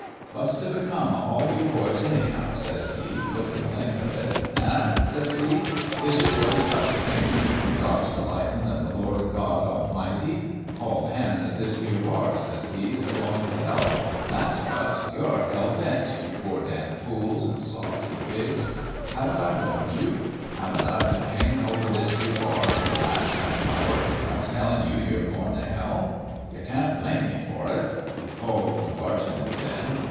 ' What's t' become o' all you^boys, anyhow?' says he, lookin' the length of it. 'Eh?' says he. 'Is you boys got t' thinkin' you can dodge the lightnin' o' the Lord God A'mighty? All hands at this here bar,' says he, ' is a goin' t' hell. That's what ! You're hell bent, you poor damn' fools an' sots an' pigs. Haven't I warned you ? Eh ? Haven't I been hangin' over this here bar for the last half hour a tellin' you you're goin' t' hell? You can't blame me for it.' He called the bartender, then.